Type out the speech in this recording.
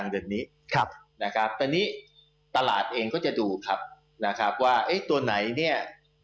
ตอนนี้ตลาดเองก็จะดูครับว่าตัวไหนเนี่ย